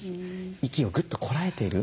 息をぐっとこらえている。